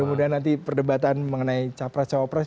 semoga nanti perdebatan mengenai capres caopres